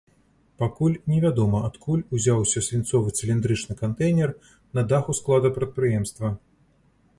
Пакуль невядома, адкуль узяўся свінцовы цыліндрычны кантэйнер на даху склада прадпрыемства.